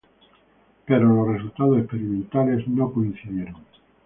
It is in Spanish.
Pero los resultados experimentales no coincidieron.